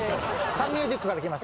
サンミュージックから？